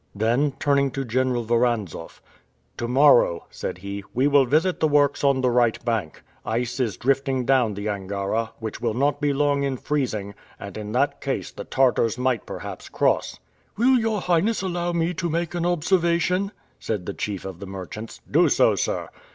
Then turning to General Voranzoff, "To morrow," said he, "we will visit the works on the right bank. Ice is drifting down the Angara, which will not be long in freezing, and in that case the Tartars might perhaps cross." "Will your Highness allow me to make an observation?" said the chief of the merchants. "Do so, sir."